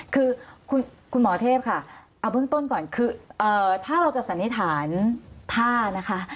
คือคุณหมอเทพค่ะเอาเบื้องต้นก่อนคือถ้าเราจะสันนิษฐานท่านะคะ